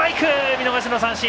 見逃し三振！